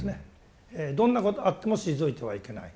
どんなことあっても退いてはいけない。